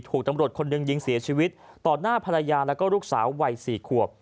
ถูกตำรวจคนหนึ่งยิงเสียชีวิตต่อหน้าภรรยาแล้วก็ลูกสาววัย๔ขวบ